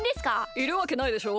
いるわけないでしょ。